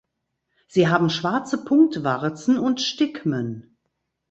Sie haben schwarze Punktwarzen und Stigmen.